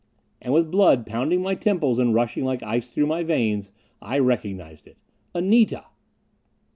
And with blood pounding my temples and rushing like ice through my veins, I recognized it. Anita!